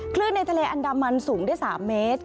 ในทะเลอันดามันสูงได้๓เมตร